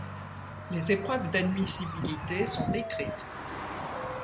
Les épreuves d'admissibilité sont écrites.